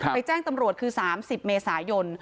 แจ้งตำรวจคือ๓๐เมษายน